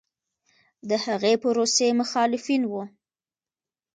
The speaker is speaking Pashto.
د هغې پروسې مخالفین و